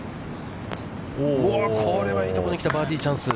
これはいいとこに来たバーディーチャンス。